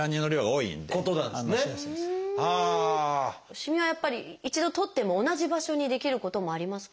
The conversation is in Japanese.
しみはやっぱり一度取っても同じ場所に出来ることもありますか？